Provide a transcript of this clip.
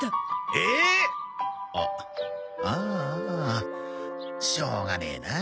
えっ！？ああしょうがねえなあ。